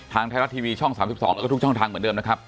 ทางไทยรัฐทีวีช่อง๓๒แล้วก็ทุกช่องทางเหมือนเดิมนะครับ